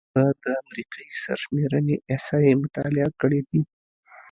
هغه د امریکايي سرشمېرنې احصایې مطالعه کړې دي.